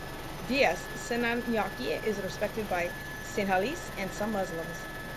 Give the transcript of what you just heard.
D. S. Senanayake is respected by Sinhalese and some Muslims.